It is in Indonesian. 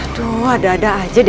aduh ada ada saja